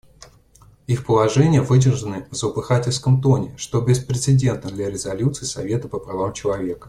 Их положения выдержаны в злопыхательском тоне, что беспрецедентно для резолюций Совета по правам человека.